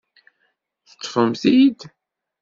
Teṭṭfem-t-id?